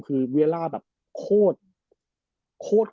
คือเวียล่าแบบโคตร